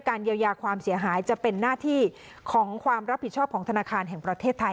เยียวยาความเสียหายจะเป็นหน้าที่ของความรับผิดชอบของธนาคารแห่งประเทศไทย